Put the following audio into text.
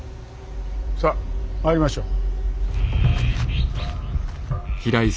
さあ参りましょう。